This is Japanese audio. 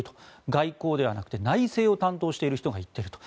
外交ではなくて内政を担当している人が行っていると。